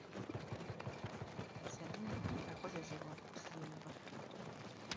Seminti akozesebwa mu kuzimba.